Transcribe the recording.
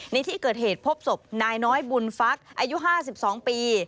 ในที่เกิดเหตุพบศพนายน้อยบุญฟักอายุ๕๒ปี